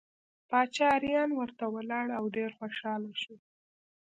باچا اریان ورته ولاړ او ډېر خوشحاله شو.